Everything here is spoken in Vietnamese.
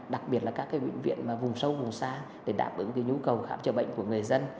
đặc biệt là các cái bệnh viện mà vùng sâu vùng xa để đảm ứng cái nhu cầu khám chữa bệnh của người dân